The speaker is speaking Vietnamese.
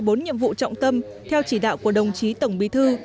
bốn nhiệm vụ trọng tâm theo chỉ đạo của đồng chí tổng bí thư